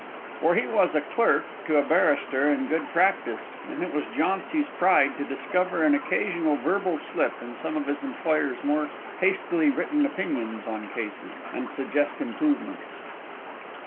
For he was clerk to a barrister in good practice, and it was Jauncy's pride to discover an occasional verbal slip in some of his employer's more hastily written opinions on cases, and suggest improvements.